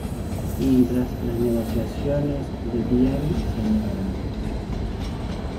Mientras las negociaciones de Diem, Sra.